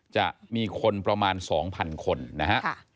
จะมีคนประมาณ๒๐๐คนนะฮะ